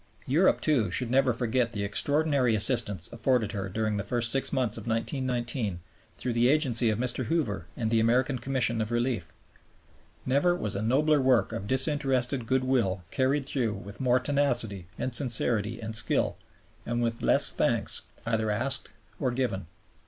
Europe, too, should never forget the extraordinary assistance afforded her during the first six months of 1919 through the agency of Mr. Hoover and the American Commission of Relief. Never was a nobler work of disinterested goodwill carried through with more tenacity and sincerity and skill, and with less thanks either asked or given.